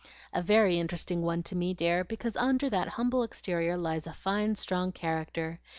"A very interesting one to me, dear, because under that humble exterior lies a fine, strong character.